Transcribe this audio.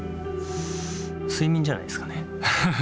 睡眠じゃないですかね。